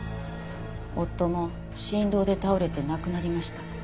夫も心労で倒れて亡くなりました。